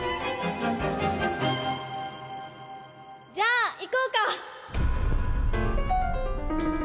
じゃあいこうか！